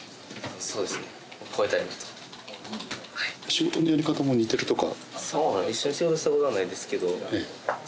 仕事のやり方も似てるとか？